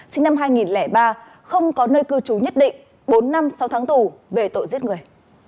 sinh năm hai nghìn ba không có nơi cư trú nhất định bốn năm sáu tháng tù về tội giết người